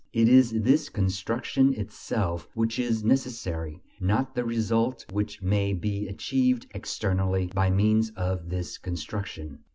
It is this "construction" itself which is necessary, not the result which may be achieved externally by means of this construction.